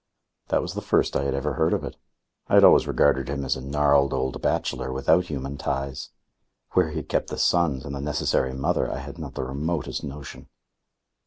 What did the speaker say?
That was the first I had ever heard of it. I had always regarded him as a gnarled old bachelor without human ties. Where he had kept the sons and the necessary mother I had not the remotest notion.